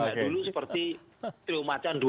dulu seperti triw macan dua ribu